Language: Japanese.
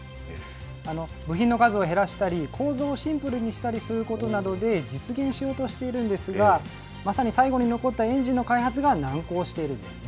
部品の数を減らしたり、構造をシンプルにしたりすることなどで、実現しようとしているんですが、まさに最後に残ったエンジン難航？